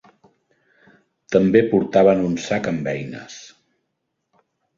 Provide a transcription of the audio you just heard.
També portaven un sac amb eines.